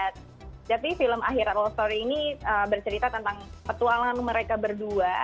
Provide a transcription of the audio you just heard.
tapi film akhirat love story ini bercerita tentang petualang mereka berdua